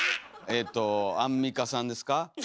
えとアンミカさんですか？